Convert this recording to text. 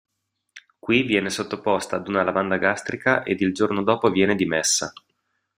Qui viene sottoposta ad una lavanda gastrica ed il giorno dopo viene dimessa.